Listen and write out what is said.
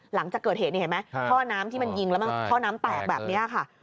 หลังจากเกิดเหตุที่นี่เห็นมั้ยพ่อน้ำที่มันยิงแล้วพ่อน้ำแตกแบบเนี่ยค่ะ